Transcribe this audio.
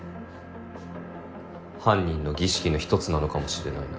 犯人の儀式の１つなのかもしれないな。